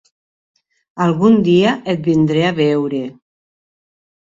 Algun dia et vindré a veure.